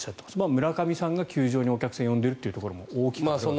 村上さんが球場にお客さんを呼んでいるというところも大きいんですよね。